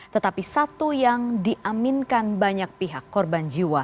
tetapi satu yang diaminkan banyak pihak korban jiwa